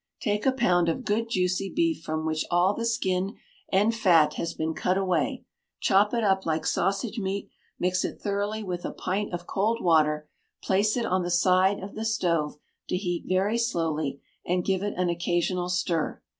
Take a pound of good juicy beef from which all the skin and fat has been cut away, chop it up like sausage meat; mix it thoroughly with a pint of cold water, place it on the side of the stove to heat very slowly, and give it an occasional stir.